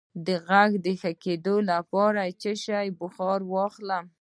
د غږ د ښه کیدو لپاره د څه شي بخار واخلئ؟